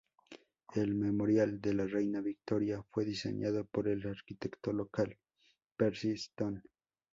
El memorial de la Reina Victoria fue diseñado por el arquitecto local Percy Stone.